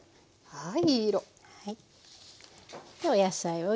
はい。